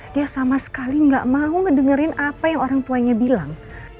dia sama sekali gak mau ngedengerin apa yang orang tuanya bilang